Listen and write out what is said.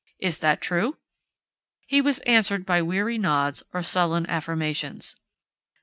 "Is that true?" He was answered by weary nods or sullen affirmations.